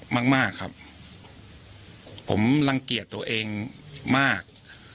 มากมากครับผมรังเกียจตัวเองมาก